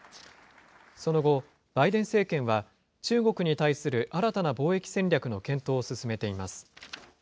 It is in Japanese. その後、バイデン政権は中国に対する新たな貿易戦略の検討を進めています。